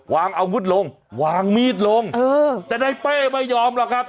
วางอาวุธลงวางมีดลงแต่ในเป้ไม่ยอมหรอกครับ